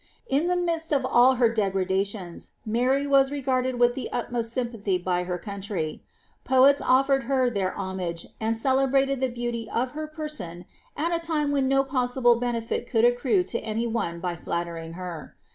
^' In the midst of ill her degradations Mury was regarded with the utmost sympathy by ber country ; poets offered her their iiomage, and celebrated the beauty of her person at a time when no possible benefit could accrue to any one by flattering her.